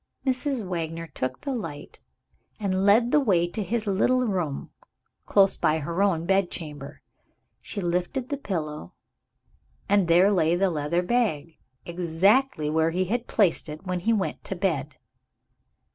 Mrs. Wagner took the light, and led the way to his little room, close by her own bedchamber. She lifted the pillow and there lay the leather bag, exactly where he had placed it when he went to bed.